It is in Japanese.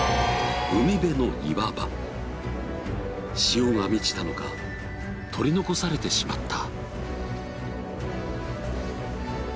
潮が満ちたのか取り残されてしまった。